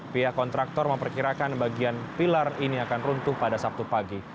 pihak kontraktor memperkirakan bagian pilar ini akan runtuh pada sabtu pagi